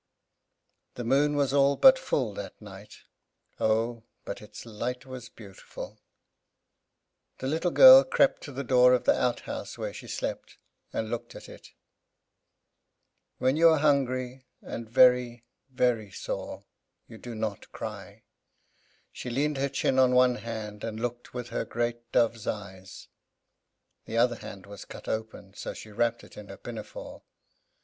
The moon was all but full that night. Oh, but its light was beautiful! The little girl crept to the door of the outhouse where she slept, and looked at it. When you are hungry, and very, very sore, you do not cry. She leaned her chin on one hand, and looked, with her great dove's eyes the other hand was cut open, so she wrapped it in her pinafore.